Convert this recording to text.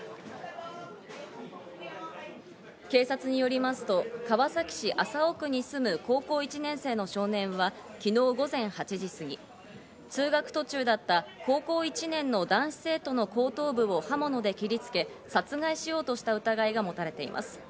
警察によりますと川崎市麻生区に住む高校１年生の少年は、昨日午前８時過ぎ、通学途中だった高校１年の男子生徒の後頭部を刃物で切りつけ、殺害しようとした疑いが持たれています。